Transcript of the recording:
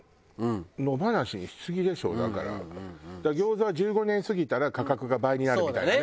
だから餃子は１５年過ぎたら価格が倍になるみたいなね。